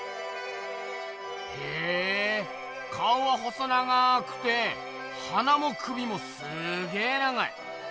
へえ顔は細長くて鼻も首もすげ長い。